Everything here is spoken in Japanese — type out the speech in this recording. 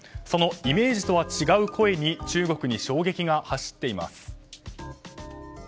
そのイメージとは違う声に中国に衝撃が走っています。